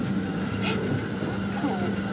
えっ！